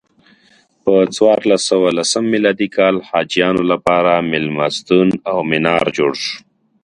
په څوارلس سوه لسم میلادي کال حاجیانو لپاره میلمستون او منار جوړ شو.